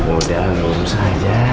udah belum saja